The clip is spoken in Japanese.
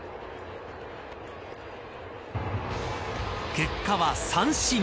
結果は三振。